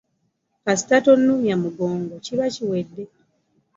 Kasita tonnumya mugongo kiba kiwedde.